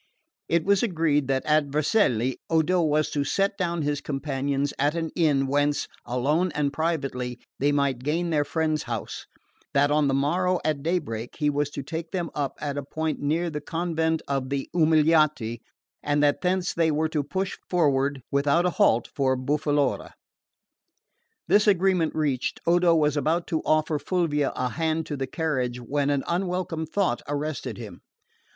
It was agreed that at Vercelli Odo was to set down his companions at an inn whence, alone and privately, they might gain their friend's house; that on the morrow at daybreak he was to take them up at a point near the convent of the Umiliati, and that thence they were to push forward without a halt for Boffalora. This agreement reached, Odo was about to offer Fulvia a hand to the carriage when an unwelcome thought arrested him.